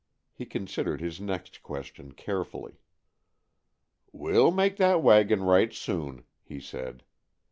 He considered his next question carefully. "We'll make that wagon right soon," he said.